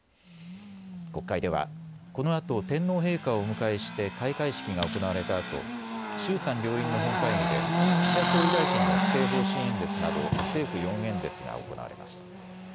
国会ではこのあと天皇陛下をお迎えして開会式が行われたあと衆参両院の本会議で岸田総理大臣の施政方針演説など政府４演説が行われます。